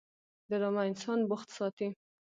ډرامه انسان بوخت ساتي